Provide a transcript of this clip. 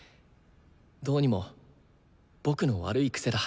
どうにも僕の悪い癖だ。